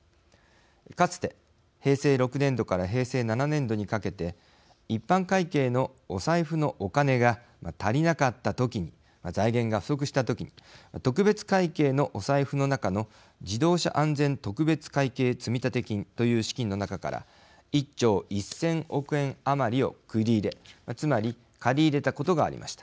かつて、平成６年度から平成７年度にかけて一般会計のお財布のお金が足りなかった時に財源が不足した時に特別会計のお財布の中の自動車安全特別会計積立金という資金の中から１兆１０００億円余りを繰り入れつまり借り入れたことがありました。